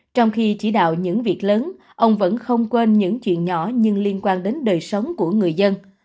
trong khi chỉ đạo những việc lớn ông vẫn không quên những chuyện nhỏ nhưng liên quan đến đời sống của người dân